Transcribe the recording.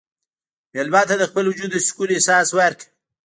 مېلمه ته د خپل وجود د سکون احساس ورکړه.